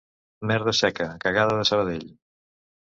Merda seca, cagada de Sabadell!